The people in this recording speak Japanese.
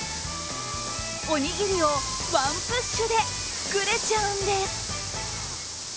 おにぎりをワンプッシュで作れちゃうんです。